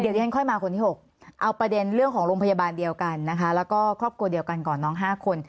เดี๋ยวที่ฉันค่อยมาคนที่๖เอาประเด็นเรื่องของโรงพยาบาลเดียวกันนะคะแล้วก็ครอบครัวเดียวกันก่อนน้อง๕คน